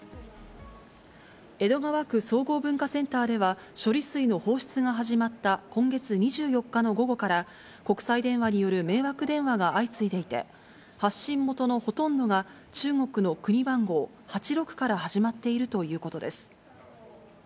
江戸川区総合文化センターでは処理水の放出が始まった今月２４日の午後から、国際電話による迷惑電話が相次いでいて、発信元のほとんどが、中国の国番号、８６から始まっているということです。